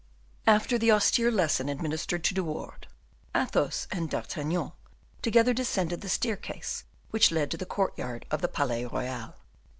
After the austere lesson administered to De Wardes, Athos and D'Artagnan together descended the staircase which led to the courtyard of the Palais Royal.